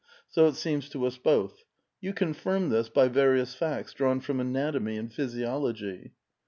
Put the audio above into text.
So it seems to us both. You confinned this bv various facts drawn from anatomy and physiology."